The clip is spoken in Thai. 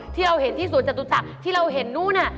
ที่เราเห็นที่สวนจตุจักรที่เราเห็นนู้น